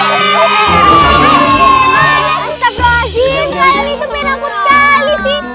astagfirullahaladzim kalian tuh penakut sekali sih